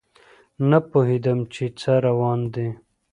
نه پوهیدم چې څه روان دي